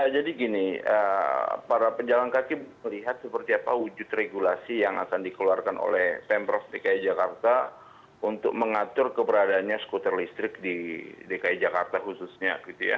jadi gini para pejalan kaki melihat seperti apa wujud regulasi yang akan dikeluarkan oleh pempros dki jakarta untuk mengatur keberadaannya skuter listrik di dki jakarta khususnya